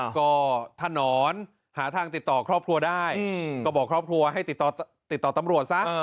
ก็ถ้านอนหาทางติดต่อครอบครัวได้ก็บอกครอบครัวให้ติดต่อตำรวจซะ